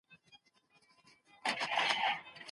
د زړو خلکو روغتیا ته پام وکړئ.